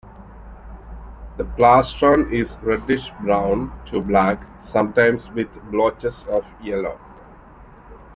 The plastron is reddish brown to black, sometimes with blotches of yellow.